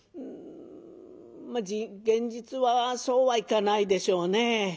現実はそうはいかないでしょうね。